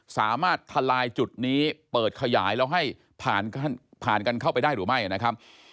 ทลายจุดนี้เปิดขยายแล้วให้ผ่านกันเข้าไปได้หรือไม่นะครับ